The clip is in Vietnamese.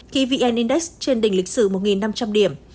khi vn index trên đỉnh lịch sử một năm trăm linh điểm